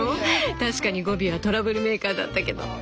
確かにゴビはトラブルメーカーだったけど。